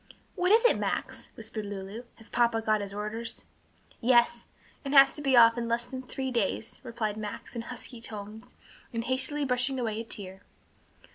"What is it, Max?" whispered Lulu, "has papa got his orders?" "Yes; and has to be off in less than three days," replied Max, in husky tones, and hastily brushing away a tear.